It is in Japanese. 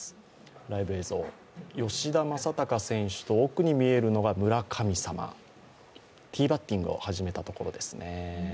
ライブ映像、吉田正尚選手と奥に見えるのは村神様ティーバッティングを始めたところですね。